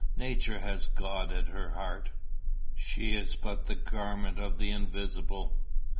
Nature has God at her heart; she is but the garment of the Invisible.